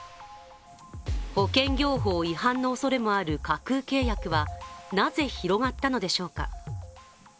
保険業法違反のおそれもある架空契約はなぜ広がったのでしょうか。